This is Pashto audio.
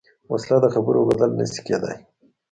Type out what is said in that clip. وسله د خبرو بدیل نه شي کېدای